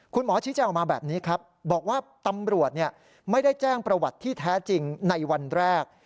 คุณหมอชี้แจ้งออกมาแบบนี้ครับบอกว่าตำรวจไม่ได้แจ้งประวัติที่แท้จริงในวันแรก